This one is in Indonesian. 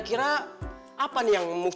kira apa nih yang